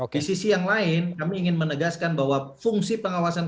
di sisi yang lain kami ingin menegaskan bahwa fungsi pengawasan